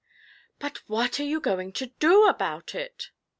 'But what are you going to do about it?'